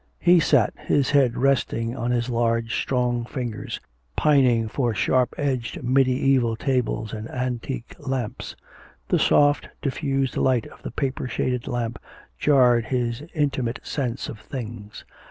He sat, his head resting on his large, strong fingers, pining for sharp edged mediaeval tables and antique lamps. The soft, diffused light of the paper shaded lamp jarred his intimate sense of things.